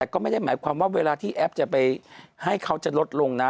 ก็ไม่ได้หมายความว่าเวลาที่แอปจะไปให้เขาจะลดลงนะ